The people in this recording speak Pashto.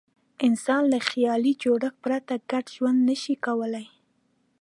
انسان له خیالي جوړښت پرته ګډ ژوند نه شي کولای.